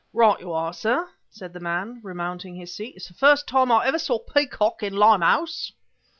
"Right you are, sir," said the man, remounting his seat. "It's the first time I ever saw a peacock in Limehouse!"